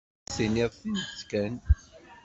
Ad d-tiniḍ tidet kan.